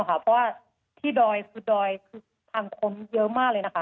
เพราะว่าที่ดอยคือดอยคือทางคนเยอะมากเลยนะคะ